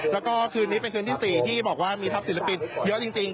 แล้วก็คืนนี้เป็นคืนที่๔ที่บอกว่ามีทัพศิลปินเยอะจริง